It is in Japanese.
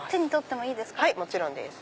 もちろんです。